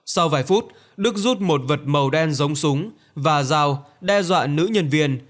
sau vài phút đức rút một vật màu đen giống súng và dao đe dọa nữ nhân viên